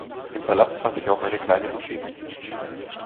Im Palast fand sich auch eine kleine Moschee.